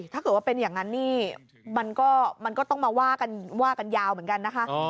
ถ้าเป็นอย่างนั้นมันก็ต้องมาว่ากันยาวเหมือนกันนะคะ